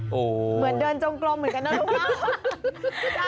เหมือนเดินจงกลมเหมือนกันนะลูกค้า